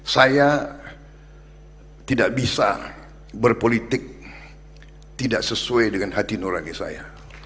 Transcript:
saya tidak bisa berpolitik tidak sesuai dengan hati nurani saya